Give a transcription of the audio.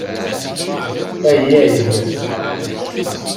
Ayyay